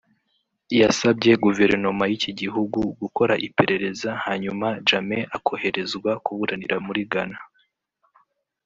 yasabye Guverinoma y’iki gihugu gukora iperereza hanyuma Jammeh akoherezwa kuburanira muri Ghana